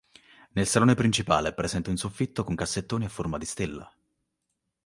Nel salone principale è presente un soffitto con cassettoni a forma di stella.